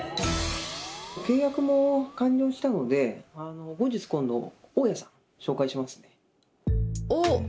契約も完了したので後日今度大家さん紹介しますね。